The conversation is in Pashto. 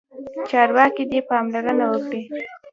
چارواکي دې پاملرنه وکړي.